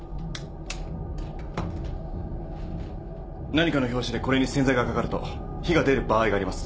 何かの拍子でこれに洗剤が掛かると火が出る場合があります。